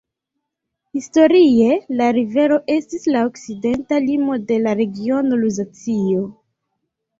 Historie la rivero estis la okcidenta limo de la regiono Luzacio.